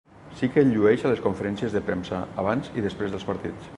Sí que el llueix a les conferències de premsa, abans i després dels partits.